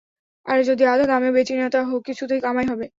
আরে যদি আধা দামেও বেচি না, কিছুতো কামাই হবে।